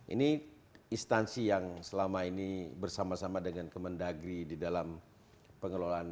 ini instansi yang selama ini bersama sama dengan kemendagri di dalam pengelolaan